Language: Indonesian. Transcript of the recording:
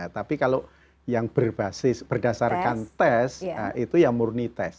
tapi kalau yang berbasis berdasarkan tes itu ya murni tes